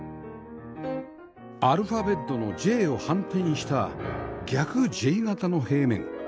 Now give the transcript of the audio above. アルファベットの Ｊ を反転した逆 Ｊ 形の平面